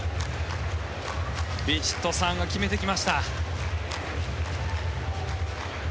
ヴィチットサーンが決めてきました。